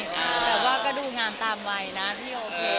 แต่ว่าก็ดูงามตามวัยนะพี่โอเค